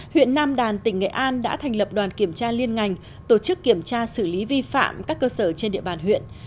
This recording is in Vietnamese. huyện nam đàn tỉnh nghệ an đã thành lập đoàn kiểm tra liên ngành tổ chức kiểm tra xử lý vi phạm các cơ sở trên địa bàn huyện